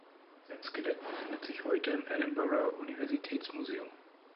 Sein Skelett befindet sich heute im Edinburgher Universitätsmuseum.